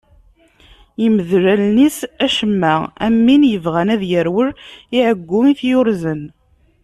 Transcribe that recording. Imdel allen-is acemma, am win yebɣan ad yerwel i ɛeggu i t-yurzen.